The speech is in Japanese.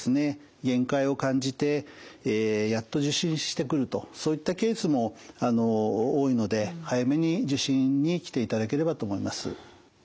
限界を感じてやっと受診してくるとそういったケースも多いので早めに受診に来ていただければと思います。